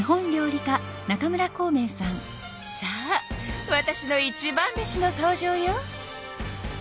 さあわたしの一番弟子の登場よ。